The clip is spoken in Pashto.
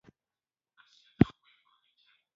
یو شاګرد چې د ځنګل خیلو و.